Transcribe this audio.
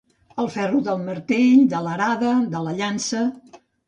El ferro del martell, de l'arada, de la llança.